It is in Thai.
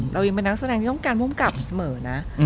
เรายังเป็นนักแสดงที่ต้องการภูมิกับเสมอนะ